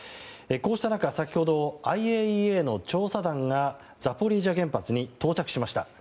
こうした中、先ほどＩＡＥＡの調査団がザポリージャ原発に到着しました。